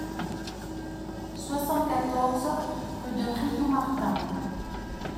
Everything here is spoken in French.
soixante-quatorze rue de Rioux Martin